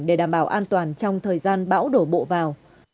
để đảm bảo an toàn trong thời gian bão đổ bộ vào